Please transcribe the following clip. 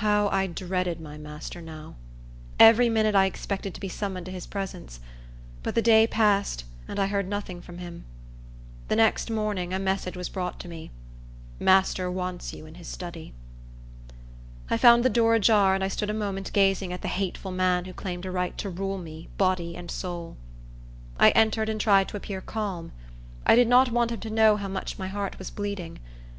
How I dreaded my master now! Every minute I expected to be summoned to his presence; but the day passed, and I heard nothing from him. The next morning, a message was brought to me: "Master wants you in his study." I found the door ajar, and I stood a moment gazing at the hateful man who claimed a right to rule me, body and soul. I entered, and tried to appear calm. I did not want him to know how my heart was bleeding.